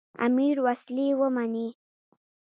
امیر وسلې ومنلې.